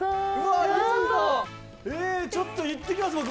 えっちょっと行ってきます僕も！